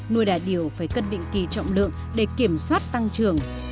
nuôi đà điểu phải cân định kỳ trọng lượng để kiểm soát tăng trưởng